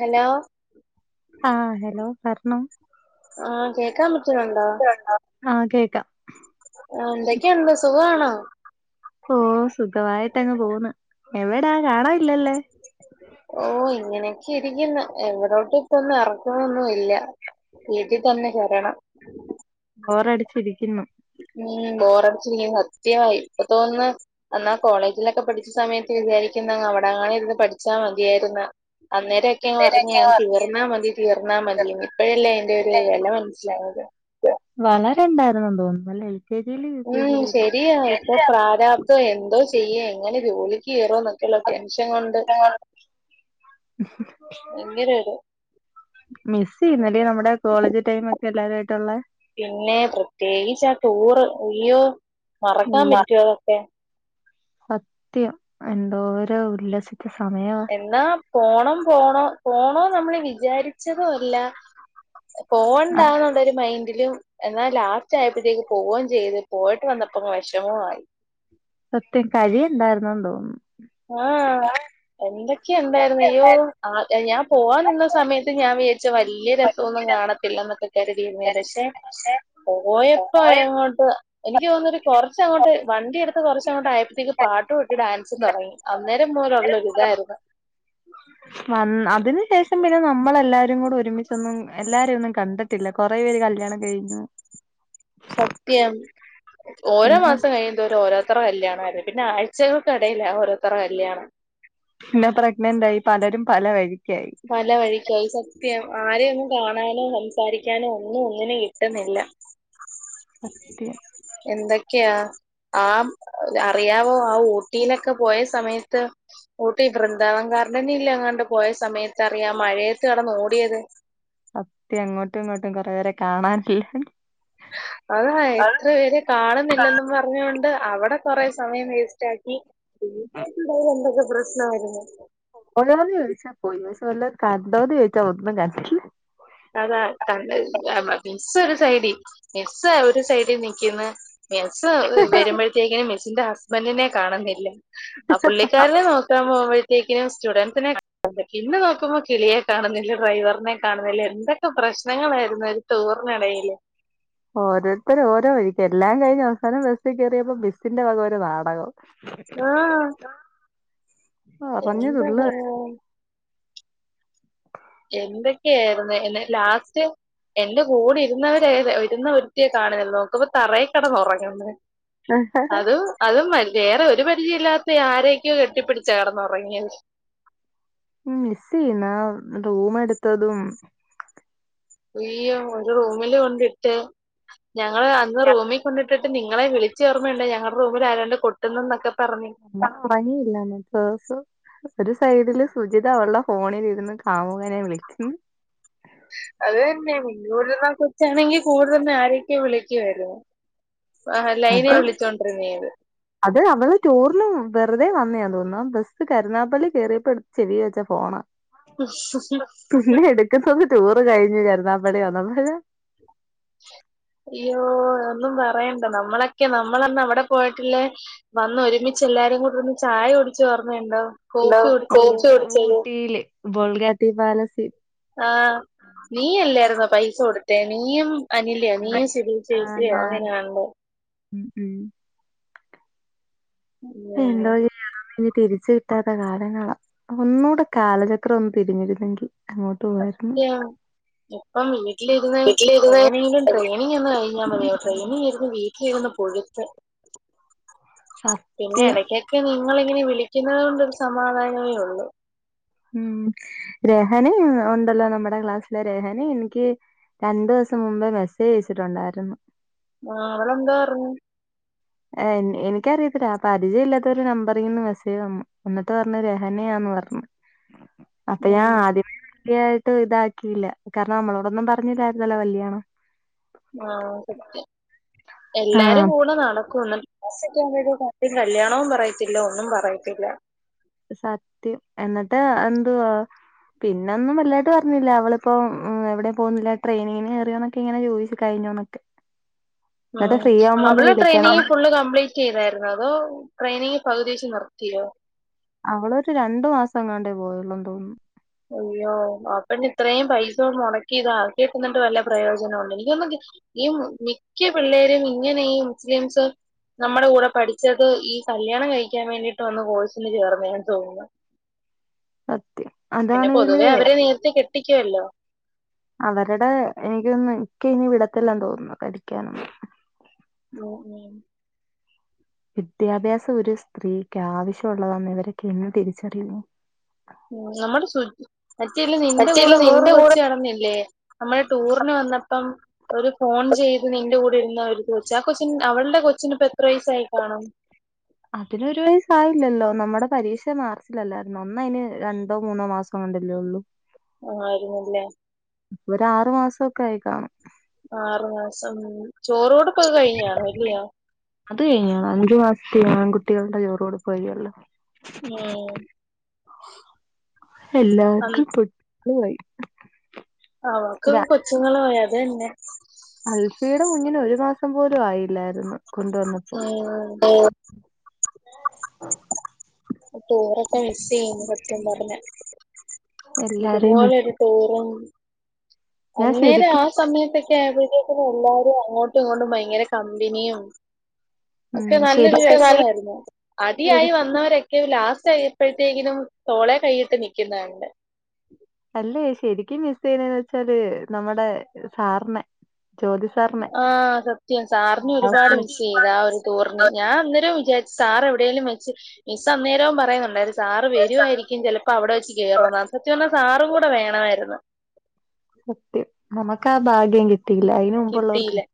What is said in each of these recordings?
Hello ആഹ hello പറഞ്ഞോ ആ കേക്കാൻ പറ്റുന്നുണ്ടോ ആഹ കേക്കാം ആ എന്തൊക്കെയുണ്ട് സുഖമാണോ ഓ സുഖമായിട്ട്ങ്ങ് പോന്ന് എവിടാ കാണാ നില്ലല്ലേ ഓ ഇങ്ങനൊക്കെ ഇരിക്കുന്ന എവിടോട്ടും ഇപ്പൊന്നും ഇറക്കൊന്നുല്ല വീട്ടിൽ തന്നെ ശരണം ബോറടിച്ചിരിക്കുന്നു ഉം ബോറടച്ച സത്യമാ ഇപ്പൊ തോന്നന്ന് എന്നാൽ കോളേജിലൊക്കെ പഠിച്ച സമയത്ത് വിചാരിക്കുന്ന അവിടങ്ങ ഇരുന്ന് പഠിച്ചാ മതിയായിരുന്ന അന്നേര ക്ക പറഞ്ഞു തീർന്നാൽ മതി തീർന്നാൽ മതിന്ന് ഇപ്പോഴല്ലേ അതിന്റെ ഒരു വില മനസ്സിലായത് വളരണ്ടായിുന്നന്ന്‌ തോന്നുന്നുല്ലേ ഉം ശരിയാ ഇപ്പൊ പ്രാരാബ്ധം എന്തോ ചെയ്യേ എങ്ങനെ ജോലിക്ക് കയറോ എന്നൊക്കെയുള്ള ടെൻൻഷൻ കൊണ്ട് ആഹ് ഭയങ്കര ഒരു മിസ് ചെയ്യുന്നല് നമ്മുടെ കോളേജ് ടൈം ഒക്കെ എല്ലാവരായിട്ടുള്ള പിന്നെ പ്രത്യേകിച്ച ആ ടൂറ് ഇയ്യോ മറക്കാൻ അയ്യോ പറ്റുവോ അതൊക്കെ സത്യം എന്തോരോ ഉല്ലസിച്ച സമയം എന്നാ പോണം പോണോ പോണോ നമ്മൾ വിചാരിച്ചതുല്ല പോണ്ടാന്നുള്ളരു മൈൻഡില് എന്നാ ലാസ്റ്റ് ആയപ്പോഴത്തേക്ക് പോവുകയും ചെയ്ത് പോയിട്ട് വന്നപ്പോ വിഷമുമായി സത്യം കഴി ന്തായിരുന്നു തോന്നുന്നു ഏഹേ എന്തൊക്കെ ണ്ടായിരുന്നു അയ്യോ ആ ഞാൻ പോവാൻനിന്ന സമയത്ത് ഞാൻ വിചാരിച്ച വലിയ രസമൊന്നും കാണത്തി ല്ല ന്നെ ക്കെ കരുതിയിരുന്ന പക്ഷെ പോയപ്പോ പോയ യങ്ങോട്ട് എനിക്ക് തോന്നുന്ന ഒരു കുറച്ചങ്ങോട്ട് വണ്ടി എടുത്ത് കുറച്ചങ്ങോട്ട് ആഴപ്പത്തേക്ക് പാട്ടും ണ്ട് ഡാൻസും തുടങ്ങി അന്നേരം മൂലം ള്ളൊര് ഇതായിരുന്നു വന്ന അതിന് ശേഷം പിന്നെ നമ്മളെല്ലാരും കൂടെ ഒരുമിച്ചൊന്നും എല്ലാരെന്നു കണ്ട് ട്ടില്ല കുറേ പേര് കല്യാണം കഴിഞ്ഞു സത്യം ഓരോ പിന്നെ മാസം കഴിയു തോരും ഓരോ എത്ര കല്യാണര്ന്ന് പിന്നെ ആഴ്ചകൾക്കിടയിലാ ഓരോരുതരെ കല്യാണം പിന്നെ പ്രഗ്നന്റ് ആയി പലരും പല വഴിക്കായി പല വഴിക്കായി സത്യം ആരെയൊന്നും കാണാനോ സംസാരിക്കാനോ ഒന്നും ഒന്നിന കിട്ടുന്നില്ല [inaudible] സത്യം എന്തൊക്കെയാ ആ അറിയാവോ ആ ഊട്ടിയിലൊക്കെ പോയ സമയത്ത് ഊട്ടി വൃന്ദാവം ഗാർഡനിലങ്ങാട്ട് പോയ സമയത്ത്റിയാം മഴയത്ത് കട ന്ന് ഓടിയത് സത്യം അങ്ങോട്ടും ഇങ്ങോട്ടും കൊറെേ വേരെ കാണാനില്ലേ നി അതാ എത്ര പേര് കാണുന്നില്ലെന്നും പറഞ്ഞൊണ്ട് അവിടെ കൊറെസമയം വേസ്റ്റ് ആക്കി [inaudible] എന്തൊക്കെ പ്രശ്നമായിരുന്നു പോയോന്ന് ചോയിച്ചാ പോയിണ് ക്ഷേ വല്ലോകണ്ടോന്ന് ചോയിച്ചാ ഒന്നും കണ്ടില്ല അതാ കണ്ട മിസ്സ് ഒരു സൈഡിൽ മിസ് ഒരു സൈഡിൽ നിക്കിന്ന് മെസ്സ് വരുമ്പോഴത്തേക്കിനും മിസ്സിൻ്റെ ഹസ്ബൻ്റിനെ കാണുന്നില്ല ആ പുള്ളിക്കാരനെ നോക്കാൻ പോക് ക്കിനും സ്റ്റുഡന്സിനെ കാണ ഇന്ന് നോക്കുമ്പോൾ കിളിയെ കാണുന്നില്ല ഡ്രൈവറിനെ കാണുന്നില്ല എന്തൊക്കെ പ്രശ്നങ്ങളായിരുന്നു ഒരു ടൂറിന്ടയില് ഓരോരുത്തര ഓരോ വഴിക്ക് എല്ലാം കഴിഞ്ഞ് അവസാനം ബസ് കയറിയപ്പോ ബസിന്റെ വകം ഒരു നാടകം ആഹ ഒറഞ്ഞു എന്ത തുള്ളുവാ എന്തൊക്കെയായിരുന്നു എന്ന ലാസ്റ്റ് എന്റെ കൂടെ ഇരുന്നവര ഏത ഇരുന്ന ഒരുത്തിയെ കാണുന്നല്ല നോക്കപ്പോ തറയിക്കടന്ന് ഉറങ്ങന്ന് അത് അതുംതി വേറെ ഒരു പരിചയ ഇല്ലാത്ത ആരൊക്കെയോ കെട്ടിപ്പിച്ചാ കടന്നുറങ്ങിയത് ഉം മിസ്സയ്ന്ന് റൂം എടുത്തതും അയ്യോ ഒരു റൂമില് കൊണ്ടിട്ട് ഞങ്ങള് അന്ന് റൂമിൽ കൊണ്ടിട്ട് ന്നിട്ട് നിങ്ങളെ വിളിച്ചയോർമ്മയണ്ടേ ഞങ്ങളുടെ റൂമിൽ ആരാണ്ട് കൊട്ടുന്നന്നൊക്കെ പറഞ്ഞു മണിയില്ലാ പേഴ്‌സു ഒരു സൈഡില് സുചിത ഉള്ള ഫോണിലിരുന്ന് കാമുകനെ വിളിക്കുന്നു അത് തന്നെ ഇന്നൂട്ന്നാ കൊച്ചാണെങ്കി കൂടുതൽും ആരൊക്കെ വിളിക്കുവാര്ന്ന് ആഹ അത് ലൈനേ വിളിച്ചോണ്ടിരിന്നാ നത് അത് അവള് ടൂറിന് വെറുതെ വന്നതാ തോന്നുന്നു ബസ് കരുനാപ്പള്ളി കയറിയപ്പോ ചെവി വെച്ചാ ഫോണ [unintelligible] തുള്ളി എടുക്കുന്നന്ന് ടൂറ് കഴിഞ്ഞുഞ് കരുന്നാപ്പടി വന്നപ്പോ അയ്യോ ഒന്നും പറയണ്ട നമ്മളൊക്കെ നമ്മള ന്ന് അവിടെ പോയിട്ടില്ലേ? വന്ന് ഒരുമിച്ച് എല്ലാരും കൂടെയിരുന്ന് ചായുടിച്ച്ഓർമണ്ടോ? എന്താ [inaudible] ചട്ടില് ബോൾ ഗാട്ടറി പാലസി ആഹ് നീ അല്ലരുന്നോ പൈസ കൊടുതെ നീയും അനിലയ നീ സ്ഥരീ ചേച്ചിയോ അങ്ങനെയാണണ്ടോ ഹും ഹും എന്തോ ചെയ്യാനാ തിരിച്ച് പറ്റാത്ത കാലങ്ങളാ ഒന്നുകൂടെ കാലചക്രം ഒന്ന് തിരിഞ്ഞിരുന്നെങ്കിൽ അങ്ങോട്ട് പോവായിരുന്നു സത്യ ഇപ്പം വീട്ടിലിരുന്ന് വീട്ടിലിരുന്ന് എങ്ങനെങ്കിലും ട്രെയിനിങ്ങൊന്ന് കഴിഞ്ഞാ മതിയാര്ന്നു ട്രെയിനിങ്ങിരുന്നു വീട്ടിലിരുന്ന് പുഴുത്ത് പിന്നെ സത്യം ഇടക്കൊക്കെ നിങ്ങള ഇങ്ങനെ വിളിക്കുന്നുന്നത് കൊണ്ട് സമാധാനമേ ഉള്ളൂ ഉം രഹാനി ഉണ്ടല്ലോ നമ്മുടെ ക്ലാസ് ല്ല രഹന എനിക്ക് രണ്ടു ദിവസം മുമ്പ് മെസ്സേജ് അയച്ചിട്ടുണ്ടായിരുന്നു ആ അവളെന്താ പറഞ്ഞ് ഏഹ് എനിക്കറിയത്തില്ല അപ്പൊ പരിചയമല്ലാത്ത ഒരു നമ്പറിന്ന് മെസ്സേജ് വന്നു എന്നിട്ട് പറഞ്ഞു രഹനയാന്ന് പറഞ്ഞു. [inaudible] അപ്പൊ ഞാൻ ആദിത്യായിട്ട് ഇതാക്കിയില്ല കാരണം നമ്മളോടൊന്നും പറഞ്ഞരരുന്നല്ലോ കല്യയാണോ ആഹ് സത്യം എല്ലാരും ആഹ് കൂടെ നടക്കുന്ന്. ഫസ്റ്റ് ഒക്കെ ഇന്റെട്ടുത് കല്യണോം പറയത്തില്ല, ഒന്നും പറയത്തില്ല. സത്യം എന്നിട്ട് എന്തുവാ? പിന്നെ ഒന്നും വല്ലാണ്ട് പറഞ്ഞില്ല അവളിപ്പോ എവിടെ പോകുന്നില്ല ട്രെയിനിഗിന് കേറിയൊന്നൊക്കെ ഇങ്ങനെ ചോദിച്ച് കഴിഞ്ഞോന്ന് ഉ ഒന്ന് അവള് വിളിക്കണേ ട്രെയിനിങ് ഫുള്ള് കംപ്ലീറ്റ് ചെയ്തായിരുന്നു അതോ ട്രെയിനിങ് പകുതി വെച്ച് നിർത്തിയോ അവളൊരു രണ്ടു മാസം കൊണ്ടേ പോയുള്ളു തോന്നുന്നു അയ്യോ അപെണ്ണ് ഇത്രയും പൈസ മുടക്കി ഇത് ആക്കിട്ടുന്നിട്ട് വല്ല പ്രയോജനം ഉണ്ട് എനിക്കൊന്ന ഈ മിക്ക പിള്ളേരും ഇങ്ങനെ ഈ മുസ്ലിംസ് നമ്മുടെ കൂടെ പഠിച്ചത് ഈ കല്യാണം കഴിക്കാൻ വേണ്ടിയിട്ട് വന്ന് കോഴ്സിന് ചേർന്ന് തോന്നുന്നു. സത്യം. പിന്നെ അതാണെങ്കില് പൊതുവേ അവര് നേരത്തെ കെട്ടിക്കുവല്ലോ. അവരുടെ എനിക്ക് തോന്നുന്ന് ഇക്ക ഇനി വിടത്തില്ലെന്ന് തോന്നുന്നു പാടിക്കാനൊന്നു [unintelligible] വിദ്യാഭ്യാസം ഒര് സ്ത്രീക്ക് ആവശ്യമുള്ളതന്ന് ഇവരൊക്കെ എന്ന് തിരിച്ചറിയുന്നേ ഉം നമ്മുടെ സു [unintelligible] നിന്റെ സത്യല്ലേ കൂടെ വേറേ ഒരു നിന്റെ കൂടെ കൊച്ച് നടന്നില്ലേ? നമ്മള് ടൂറിന് വന്നപ്പം ഒര് ഫോൺ ചെയ്ത് നിന്റെ കൂടെ ഇരുന്ന ഒരു കൊച്ച് ആ കൊച്ച്. അവളുടെ കൊച്ചിന് ഇപ്പോ എത്ര വയസ്സായി കാണും? അതിന് ഒരു വയസ് ആയില്ലല്ലോ നമ്മുടെ പരീക്ഷ മാർച്ചിലല്ലാരുന്നോ. അന്ന് അയ്ന് രണ്ടോ മൂന്നോ മാസങ്ങണ്ടല്ലേ ഒള്ളു ആയിരുന്നില്ലേ? ഒര് ആറു മാസം ഒക്കെ ആയി കാണും ആറു മാസം ചോറ് കൊടുപ്പൊക്കെ കഴിഞ് കാണും അല്ലിയോ? അത് കഴിഞ് കാണും അഞ്ചു മാസത്തിൽ ആൺ കുട്ടികളുടെ ചോറ് കൊടുപ്പ് കഴിയുല്ലോ. നേ അന്ന് എല്ലർക്കും കുട്ടി ആയി. അവക്ക് ക്കെ കൊച്ചുങ്ങളും ആയി അ തന്നെ അൽഫിയുടെ കുഞ്ഞിന് ഒരു മാസം പോലും ആയില്ലായിരുന്നു കൊണ്ടുവന്നപ്പോ. ഉം ആ [inaudible] പ്പോ ടൂറൊക്കെ മിസ് ചെയ്യുന്നു സത്യം പറഞ്ഞാ എല്ലാരെയും മിസ് ഇതുപോലെരു ടൂറും ഞാൻ അന്നേരം ശരിക്കും ആ സമയത്തൊക്കെ ആയപ്പോഴ്ത്തെക്ക് നും എല്ലാരും അങ്ങോട്ടും ഇങ്ങോട്ടും ഭയങ്കര കമ്പനിയും. ഒക്കെ ഉം ശരി നല്ലൊരു ഒക്കെ നല്ല രസമാരുന്നു അടിയായി ശരിക്കും വന്നവരൊ ക്കെ ലാസ്റ്റ് ആയപ്പോഴത്തേക്കിനും തോളെ കൈയിട്ട് നിക്കുന്ന കണ്ട് അല്ലേ ശരിക്കും മിസ് ചെയ്യുന്നത് വെച്ചാല് നമ്മുടെ സാറ്നെ ജോതി സാ ആഹ് സത്യം സാറിനെ ഒരുപാട് മിസ് ചെയ്ത് ആ ഒരുപാട് ഒരു മിസ് ടൂറിന് ചെയ്യുന്നു ഞാൻ അന്നേരം വിചാരിച്ചു സാർ എവിടെലും വെച്ച് മിസ്സ് അന്നേരം പറയുന്നുണ്ടായിരുന്നു സാർ സാറ് വരുവായിരിക്കും ചിലപ്പോ അവിടെ വെച്ച് കേറുമെന്ന് അപ്പം ഇച്ചോന്ന് സാറ് കൂടെ വേണമായിരുന്നു സത്യം നമ്മക്കാ ഭാഗ്യം കി ട്ടില്ല അയിന് മുമ്പുള്ളവർക്ക് കിട്ടീല്ല.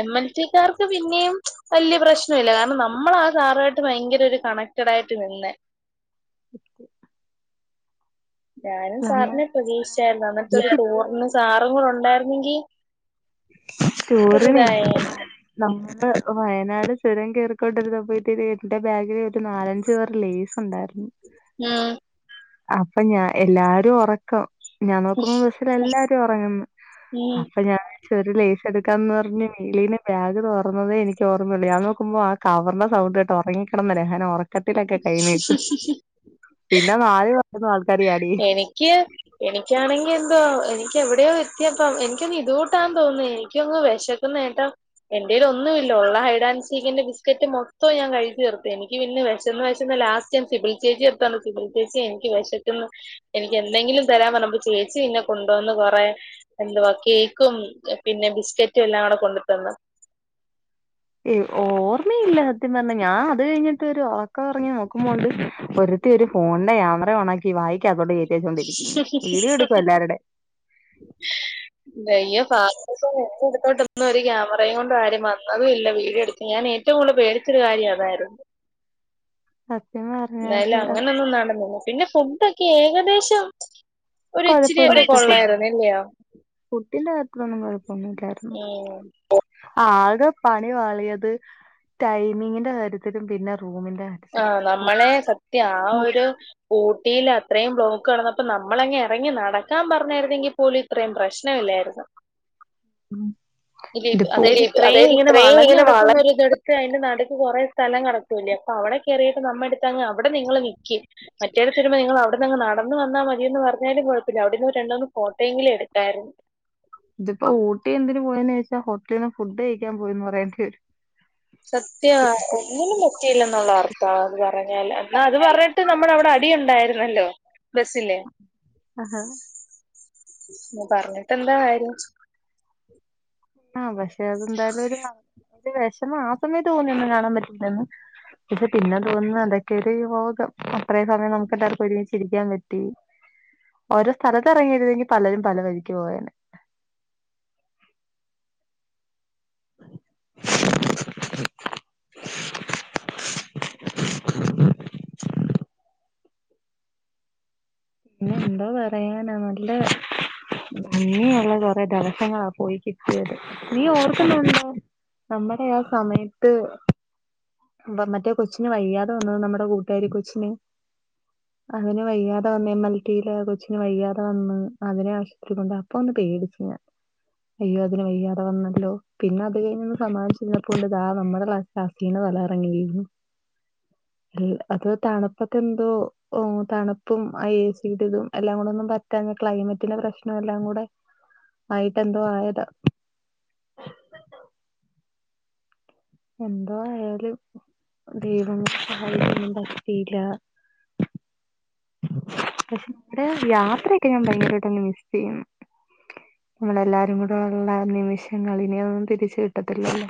എം എൽ റ്റി കർക്ക് പിന്നെയും വല്ല്യ പ്രശ്നം ഇല്ല കാരണം നമ്മൾ ആ സാറായിട്ട് ഭയങ്കര ഒരു കണക് ണക്റ്റാടായിട്ട് നിന്നെ. [unintelligible] ഞാനും നമ്മ സാറിനെ പ്രതീക്ഷിച്ചായിരുന്നു അന്നത്തെ ഒരു എനിക്കിപ്പഴും ടൂറിന് ഓർമ്മയുണ്ട് സാറും കൂടെ ഉണ്ടായിരുന്നെങ്കി ടൂറിനെ ഇതായേനെ [unintelligible] നമ്മള് വയനാട് ചുരം കേറിക്കൊണ്ടിരുന്നപ്പഴുത്തേന് എന്റെ ബാഗില് നാലഞ്ചു കവർ ലേസ് ഉണ്ടായിരുന്നു ഉം അപ്പൊ ഞ എല്ലാരും ഉറ [unintelligible] ഞാൻ നോക്കുമ്പോ ബസിൽ എല്ലാരും ഉറങ്ങന്ന് അപ്പൊ ഞാൻ. പക്ഷെ ഒരു ലേസ് എടുക്കാന്ന് പറഞ്ഞ മേളിന്ന് ബാഗ് തുറന്നതേ എനിക്ക് ഓർമയുള്ളു ഞാൻ നോക്കുമ്പോ ആ കവറിന്റെ സൗണ്ട് കേട്ട് ഉറങ്ങിക്കിടന്ന രഹ്‌ന ഉറക്കത്തിലൊക്കെ കൈ നീട്ടും ഉം പിന്നെ നാല് തൊന്ന് ആൾ കറിയ എനിക്ക് എനിക്കാണെങ്കിൽ എന്തോ എനിക്ക് എവിടെയോ എത്തിയപ്പ എനിക്കൊന്ന് ഇത കൂട്ടാൻ തോന്നേ എനിക്കൊന്ന് വിശ [unintelligible] എന്റെലു ഒന്നുമില്ല ഉള്ള ഹൈഡൻ സീക്കിന്റെ സ്ക്കറ്റ് മൊത്തം ഞാൻ കഴിച്ച് തീർത്ത്. എനിക്ക് പിന്നെ വിശന്ന് വിശന്ന് ലാസ്റ്റ് സിബി ചേച്ചിടുത്ത് ചെന്ന് സിബി ചേച്ചി എനിക്ക് വിശക്ക് എനിക്ക് എന്തെങ്കിലും തരാൻ പറഞ്ഞപ്പോ ചേച്ചി പിന്നെ കൊണ്ടുവന്നു കൊറെേ എന്തുവാ കേക്കും പിന്നെ ബിസ്കറ്റും എല്ലാം കൂടെ കൊണ്ടു തന്ന് ഏഹ് ഓർമ്മയില്ല സത്യം പറഞ്ഞ ഞാൻ അത് കഴിഞ്ഞിട്ട് ഒരു ഉറക്കം ഉറങ്ങി നോക്കുമ്പോ ഉണ്ട് നോക്കുമ്പോണ്ട് ഒരു ഒരു ഫോണിന്റെ ക്യാമറ ഓണാക്കി വായിക്കത്തോട്ട് കേറ്റി വെച്ചോണ്ടിരിക്കുന്നു വീഡിയോ എടുക്കുവാ എല്ലാവരുടെ [unintelligible] എന്റെടുത്തോട്ട്ന്നും ഒരു ക്യാമറയും കൊണ്ട് ആരും വന്നതും ഇല്ല വീഡിയോ എടുത്ത് ഞാനെ ഏറ്റവും കൂടെ പേടിച്ചൊരു കാര്യ അതായിരുന്നു സത്യം മ എന്തായാലും അങ്ങനൊന്നും നടന്നില്ല പിന്നെ ഫുഡൊക്കെ ഏകദേശം ഒരിച്ചിരിക്കെ കൊഴപ്പമില്ലാത്ത ഇച്ചിരി ഫുഡ് കൊള്ളായിരുന്നല്ലയോ ഫുഡിന്റെ കത്ത്ന്നും കുഴപ്പൊന്നുംല്ലാരുന്നു ഉം ആകെ പണി വാളിയത് ടൈമിങ്ങിന്റെ കാര്യത്തിലും പിന്നെ റൂമിന്റെ ആ കാര്യത്തിലും നമ്മളെ സത്യ ആ ഒരു ഊട്ടിയിൽ അത്രയും ബ്ലോക്ക് കടന്നപ്പ നമ്മളങ്ങ ഇറങ്ങി നടക്കാൻ പറഞ്ഞായിരുന്നെങ്കിൽ പോലും ഇത്രയും പ്രശ്ന ഇല്ലായിരുന്നു ഇല്ല ഇത് ഇതിപ്പോ അതായത് ഇത്രയും അതായത് ഇങ്ങനെ ഇത്രയും വളഞ്ഞ് ഇങ്ങനെ വള നടക്കുന്നൊ ഒരിതടുത്ത് അതിന്റെ നടുക്ക് കൊറെ സ്ഥലം കിടക്കൂല്ലേ അപ്പൊ അവിടെ കയറിയിട്ട് നമ്മ എടുത്ത്ങ്ങ് അവ്ടെ നിങ്ങള് നിൽക്കു മറ്റേടുതുമ്പോ നിങ്ങ അവിടെന്നങ് നട ഒന്ന് വന്നാ മതിയന്ന് പറഞ്ഞാലും കുഴപ്പില്ല അവിടന്ന് രണ്ട് മൂന്ന് ഫോട്ടോ ങ്കിലും എടുക്കായിരുന്നു ഇതിപ്പോ ഊട്ടി എന്തിനു പോയന്ന് ചോദിച്ച ഹോട്ടലിൽന്ന് ഫുഡ് കഴിക്കാൻ പോയ എന്ന് പറയേണ്ടിവരും. സത്യ ഒന്നിനും പറ്റിയില്ല എന്നുള്ള അർത്ഥം അത് പറഞ്ഞാൽ എന്നാൽ അത് പറഞ്ഞിട്ട് നമ്മുടെ അവിടെ അടി ഉണ്ടായിരുന്നല്ലോ ബസില്ലേ ആഹാ ആഹ് പറഞ്ഞിട്ട എന്താ കാര്യം ആഹ പക്ഷെ അതെന്തായാലും ഒരു ഒരു വിഷം ആ സമയം തോന്നി ഒന്നും കാണാൻ പറ്റില്ലെന്ന് പക്ഷെ പിന്നെ തോന്നുന്നു അതൊക്കെയ ഒരു യോകം അത്രേ സമയം നമുക്ക് എല്ലാർക്കും ഒരുമിചിരിക്കാൻ പറ്റി ഓരോ സ്ഥലത്ത് ഇറങ്ങിയരുതെങ്കിൽ പലരും പല വഴിക്ക് പോയേനെ [unintelligible] പിന്നെ എന്തോ പറയാനാ നല്ല ഭംഗിയുള്ള കൊറെേ ദിവസങ്ങളാ പോയി കിട്ടിയത് നീ ഓർക്കുന്നുണ്ടോ നമ്മുടെ ആ സമയത്ത് മറ്റേ കൊച്ചിന് വയ്യാതെ വന്നു നമ്മുടെ കൂട്ടുകാരി കൊച്ചിന് അങ്ങനെ വയ്യാ അ എം എൽ ടി ല് കൊച്ചിന് വയ്യാതെ വന്ന് അതിനെ ആശുത്രി കൊണ്ട് അപ്പൊ ഒന്ന് പേടിച്ച് ഞാൻ അയ്യോ അതിന് വയ്യാതെ വന്നല്ലോ പിന്നെ അത് കഴിഞ്ഞൊന്ന് സമാദിച്ചിരുന്നപ്പോണ്ട് ദാ നമ്മടെ ക്ലാ [unintelligible] തല കറങ്ങി വീഴുന്ന് [unintelligible] [unintelligible] അത് തണുപ്പത്തെന്തോ ഓഹ് തണു പ്പും ആ എ സി ഇടീലും എല്ലാം കൂടെ ഒന്നും പറ്റാഞ്ഞ് ക്ലൈമറ്റിന്റെ പ്രശ്നം എല്ലാം കൂടെ ആയിട്ടെന്തോ ആയതാ എന്തോ ആയാലും ദൈവം സഹായിച്ചൊന്നും പറ്റിയില്ല. പക്ഷെ നമ്മടെ യാത്രയൊക്കെ ഞാൻ ഭയങ്കരാട്ടങ്ങ് മിസ്സ് ചെയ്യുന്നു. നമ്മളെല്ലാരും കൂടെ ഒള്ള ആ നിമിഷങ്ങള് ഇനി അതൊന്നും തിരിച്ച് കിട്ടത്തില്ലല്ലെ.